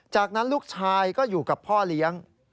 จากนั้นลูกชายก็อยู่กับพ่อเลี้ยง